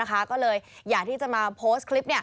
ก็เลยอยากที่จะมาโพสต์คลิป